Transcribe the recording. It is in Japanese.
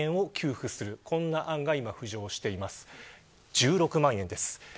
１６万円です。